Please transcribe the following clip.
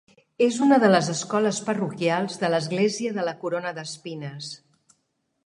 És una de les escoles parroquials de l'Església de la Corona d'Espines.